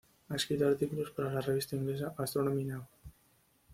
Ha escrito artículos para la revista inglesa "Astronomy Now".